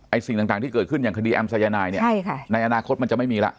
ไอ้สิ่งต่างต่างที่เกิดขึ้นอย่างคดีแอมสายนายเนี่ยใช่ค่ะในอนาคตมันจะไม่มีล่ะ